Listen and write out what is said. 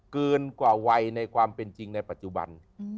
เกินกว่าวัยในความเป็นจริงในปัจจุบัน